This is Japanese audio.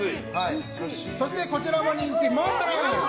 そしてこちらも人気、モンブラン。